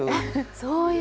そういう。